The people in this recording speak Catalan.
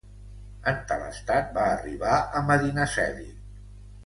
En tal estat va arribar a Medinaceli.